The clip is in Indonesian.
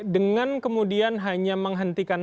dengan kemudian hanya menghentikan